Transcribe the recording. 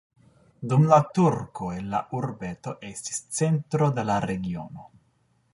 Dum la turkoj la urbeto estis centro de la regiono.